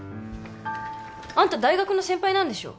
あんた大学の先輩なんでしょ？